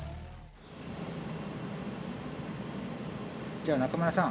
じゃあ中村さん